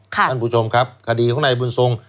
ท่านผู้ชมครับคดีของนายบุญทรง